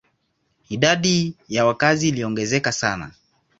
Idadi ya wakazi iliongezeka sana.